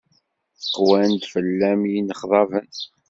Qwan-d fell-am yinexḍaben.